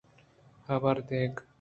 حبر دیگ